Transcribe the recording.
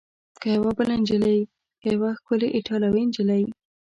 که یوه بله نجلۍ؟ که یوه ښکلې ایټالوۍ نجلۍ؟